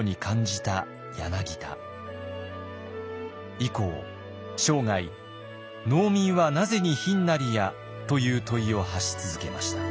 以降生涯「農民はなぜに貧なりや」という問いを発し続けました。